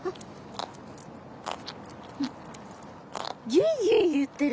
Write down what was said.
ギュギュ言ってる。